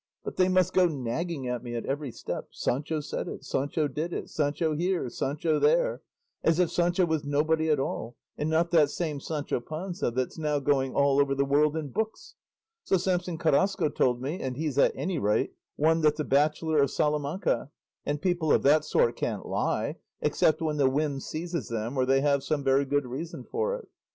But they must go nagging at me at every step 'Sancho said it, Sancho did it, Sancho here, Sancho there,' as if Sancho was nobody at all, and not that same Sancho Panza that's now going all over the world in books, so Samson Carrasco told me, and he's at any rate one that's a bachelor of Salamanca; and people of that sort can't lie, except when the whim seizes them or they have some very good reason for it.